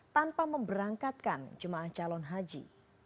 tanpa memberangkatkan jemaah calon haji